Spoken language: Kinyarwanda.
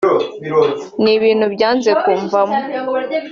ni ibintu byanze kumvamo